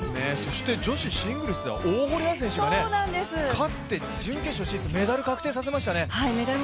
女子シングルスでは大堀彩選手が勝ってメダル確定させましたね。